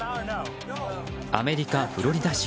アメリカ・フロリダ州。